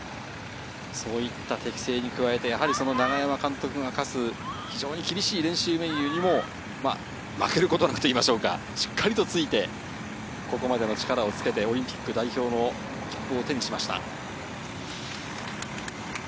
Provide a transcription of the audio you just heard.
適正に加えて永山監督が課す厳しい練習にも負けることなくといいましょうかしっかりついて、ここまでの力をつけてオリンピック代表の切符を手にしました。